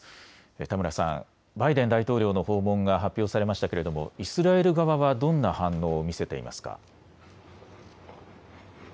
田村さん、バイデン大統領の訪問が発表されましたけれどもイスラエル側はどんな反応を見せていますか。